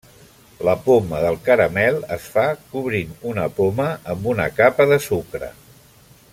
La poma del caramel es fa cobrint una poma amb una capa de sucre.